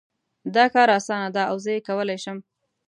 دا کار اسانه ده او زه یې کولای شم